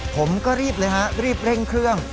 ผมก็รีบเลยฮะรีบเร่งเครื่อง